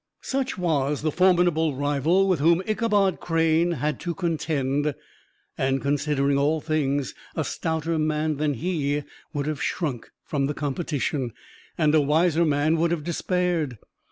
Such was the formidable rival with whom Ichabod Crane had to contend, and considering all things, a stouter man than he would have shrunk from the competition, and a wiser man would have despaired.